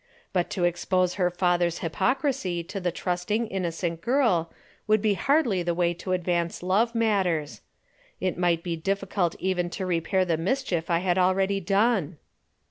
But to expose her father's hypocrisy to the trusting, innocent girl would be hardly the way to advance love matters. It might be difficult even to repair the mischief I had already done.